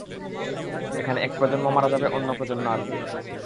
এখানে এক প্রজন্ম মারা যাবে, অন্য প্রজন্ম আসবে।